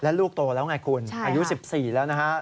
ลูกโตแล้วไงคุณอายุ๑๔แล้วนะฮะ